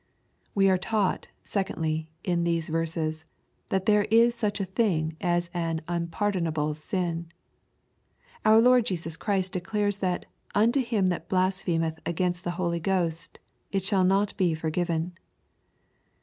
We are taught, secondly, in these verses, that there is 9uch a thing as an unpardonable sin. Our Lord Jesus Christ declares that "unto him that blasphemeth against the Holy Ghost, it shall not be forgiven."